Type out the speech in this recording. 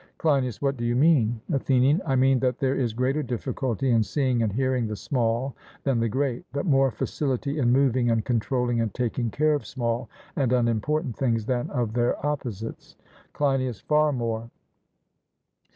CLEINIAS: What do you mean? ATHENIAN: I mean that there is greater difficulty in seeing and hearing the small than the great, but more facility in moving and controlling and taking care of small and unimportant things than of their opposites. CLEINIAS: Far more.